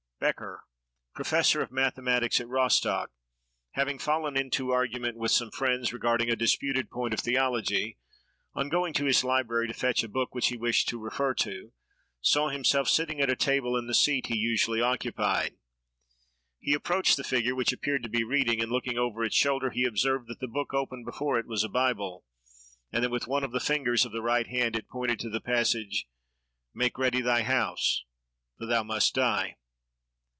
Becker, professor of mathematics at Rostock, having fallen into argument with some friends regarding a disputed point of theology, on going to his library to fetch a book which he wished to refer to, saw himself sitting at the table in the seat he usually occupied. He approached the figure, which appeared to be reading, and, looking over its shoulder, he observed that the book open before it was a bible, and that, with one of the fingers of the right hand, it pointed to the passage—"Make ready thy house, for thou must die!"